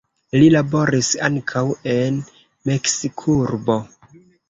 Li laboris ankaŭ en Meksikurbo.